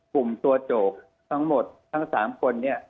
กลุ่มตัวโจกทั้งหมดทั้ง๓คนเนี่ย